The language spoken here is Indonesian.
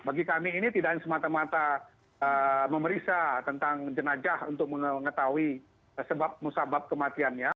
bagi kami ini tidak hanya semata mata memeriksa tentang jenajah untuk mengetahui sebab musabab kematiannya